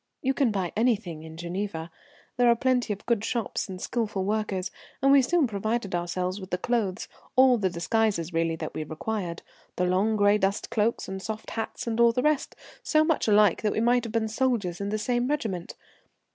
You can buy anything in Geneva. There are plenty of good shops and skilful workers, and we soon provided ourselves with the clothes, all the disguises really that we required the long gray dust cloaks and soft hats and all the rest, so much alike that we might have been soldiers in the same regiment.